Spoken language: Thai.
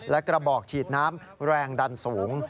และกระบอกฉีดน้ำแรงดันสูง